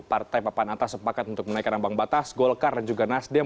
partai papan atas sepakat untuk menaikkan ambang batas golkar dan juga nasdem